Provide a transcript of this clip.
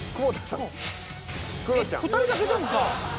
２人だけじゃんか。